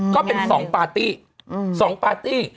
ก็เป็น๒ปาร์ตี้